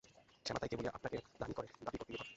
শ্যামা তাই কেবলই আপনাকে দানই করে, দাবি করতে গিয়ে ঠকে।